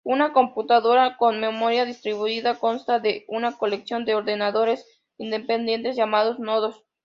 Una computadora con memoria distribuida consta de una colección de ordenadores independientes llamados nodos.